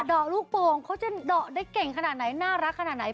ดอกลูกโป่งเขาจะเดาะได้เก่งขนาดไหนน่ารักขนาดไหน